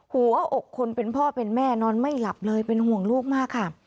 หัวอกคนเป็นพ่อเป็นแม่นอนไม่หลับเลยเป็นห่วงลูกมากค่ะ